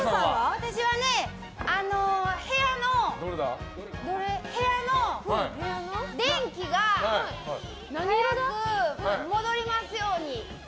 私はね部屋の電気が早く戻りますように。